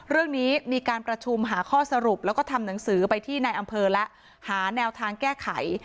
เรื่องนี้มีการประชุมหาข้อสรุปแล้วก็ทำหนังสือไปที่ในอำเภอและหาแนวทางแก้ไข